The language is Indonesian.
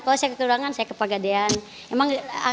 kalau saya kekurangan saya ke pegadean